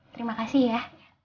terima kasih ya